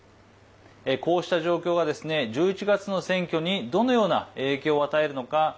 こうした状況が１１月の選挙にどのような影響を与えるのか。